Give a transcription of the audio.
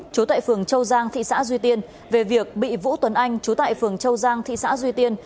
chú tại phường châu giang thị xã duy tiên về việc bị vũ tuấn anh chú tại phường châu giang thị xã duy tiên